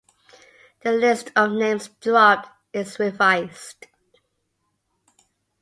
The list of names dropped is revised.